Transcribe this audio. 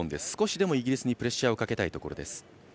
少しでもイギリスにプレッシャーをかけたいところ。